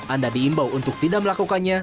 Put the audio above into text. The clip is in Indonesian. anda diimbau untuk tidak melakukannya